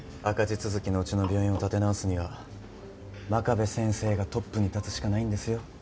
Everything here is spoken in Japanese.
赤字続きのうちの病院を立て直すには真壁先生がトップに立つしかないんですよ。